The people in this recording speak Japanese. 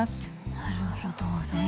なるほどね。